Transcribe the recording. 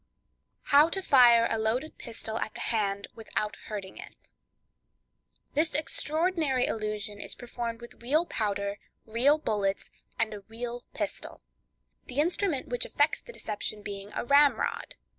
How to Fire a Loaded Pistol at the Hand, Without Hurting It.—This extraordinary illusion is performed with real powder, real bullets, and a real pistol; the instrument which effects the deception being a ramrod.